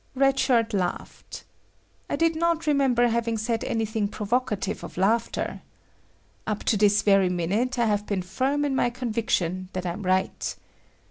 Red Shirt laughed. I did not remember having said anything provocative of laughter. Up to this very minute, I have been firm in my conviction that I'm right.